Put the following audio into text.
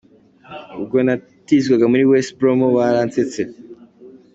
Ubwo natizwaga muri West Bromo baransetse.